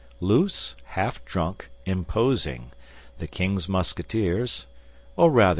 Loose, half drunk, imposing, the king's Musketeers, or rather M.